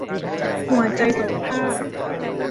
หัวใจสองภาค